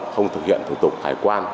không thực hiện thủ tục thải quan